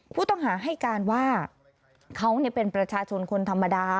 ผู้ต้องหาให้การว่าเขาเป็นประชาชนคนธรรมดา